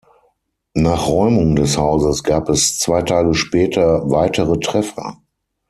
Nach Räumung des Hauses gab es zwei Tage später weitere Treffer.